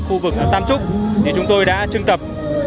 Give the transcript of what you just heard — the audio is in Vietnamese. khu vực tam trúc thì chúng tôi đã trưng tập